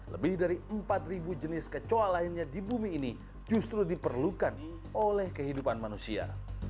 lebih dari empat jenis kecoa lainnya di bumi ini justru diperlukan oleh kehidupan manusia